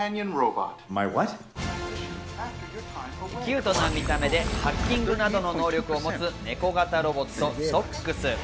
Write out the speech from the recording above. キュートな見た目でハッキングなどの能力を持つ猫型ロボット、ソックス。